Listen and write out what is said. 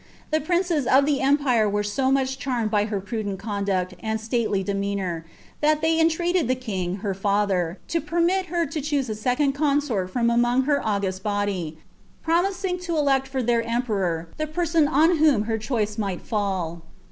The princes of the empire •tre to much charmed with her prudent conduct and stately demean odr, that they entreated the king, her fether, to permit her lo choose a ■wuod eoiuorl from among their august body, promising lo elect for fiieir onperor the person on whom her choice might fall.'